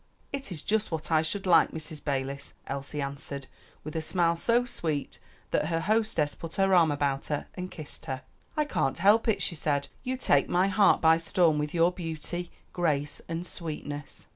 "It is just what I should like, Mrs. Balis," Elsie answered, with a smile so sweet that her hostess put her arm about her and kissed her. "I can't help it," she said; "you take my heart by storm with your beauty, grace, and sweetness."